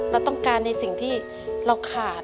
เราต้องการในสิ่งที่เราขาด